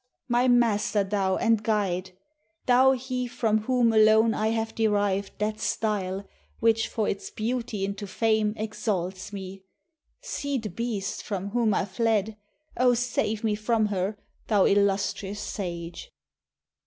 My master thou and guide! Thou he from whom alone I have deriv'd That style, which for its beauty into fame Exalts me. See the beast, from whom I fled. O save me from her, thou illustrious sage!"